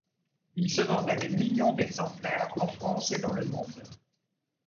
Ils se vendent à des millions d’exemplaires en France et dans le monde.